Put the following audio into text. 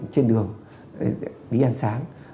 trên đường đi ăn sáng